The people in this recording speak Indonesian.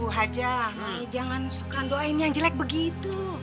bu hajah jangan suka doain yang jelek begitu